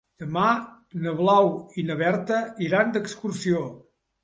Demà na Blau i na Berta iran d'excursió.